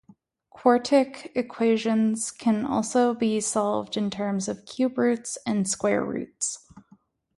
Quartic equations can also be solved in terms of cube roots and square roots.